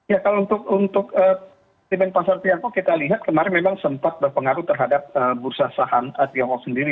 ya kalau untuk sentimen pasar tiongkok kita lihat kemarin memang sempat berpengaruh terhadap bursa saham tiongkok sendiri